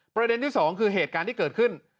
ประเด็นที่สองคือเหตุการณ์ที่เกิดขึ้น